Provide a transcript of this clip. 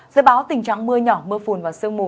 dự báo tình trạng mưa nhỏ mưa phùn và sương mù